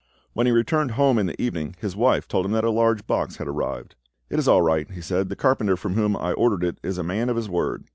When he returned home in the evening, his wife told him that a large box had arrived. "It is all right," he said, "the carpenter from whom I ordered it is a man of his word."